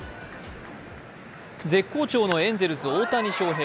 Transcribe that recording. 絶好調のエンゼルス大谷翔平。